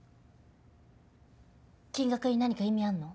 金額に何か意味あんの？